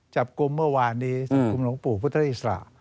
จับกลุ่มเมื่อวานนี้จับกลุ่มหลวงปู่พุทธอิสระ